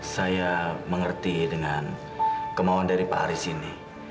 saya mengerti dengan kemauan dari pak haris ini